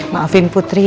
maafin putri ya